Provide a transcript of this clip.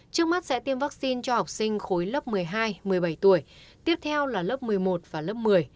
trước mắt sẽ tiêm vaccine cho học sinh khối lớp một mươi hai một mươi bảy tuổi tiếp theo là lớp một mươi một và lớp một mươi